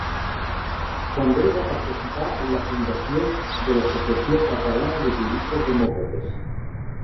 També va participar en la fundació de l'Associació Catalana de Juristes Demòcrates.